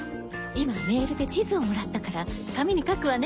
今メールで地図をもらったから紙に描くわね。